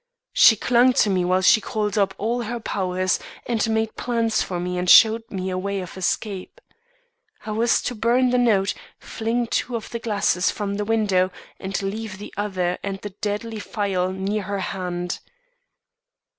She clung to me while she called up all her powers, and made plans for me and showed me a way of escape. I was to burn the note, fling two of the glasses from the window and leave the other and the deadly phial near her hand.